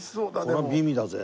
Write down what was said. これは美味だぜ。